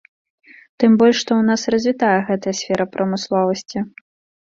Тым больш што ў нас развітая гэтая сфера прамысловасці.